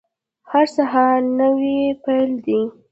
هر سهار نوی پیل دی